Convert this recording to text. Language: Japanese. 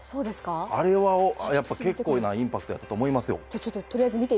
あれは結構なインパクトだったと思いますよ。